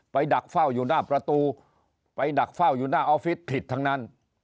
ดักเฝ้าอยู่หน้าประตูไปดักเฝ้าอยู่หน้าออฟฟิศผิดทั้งนั้น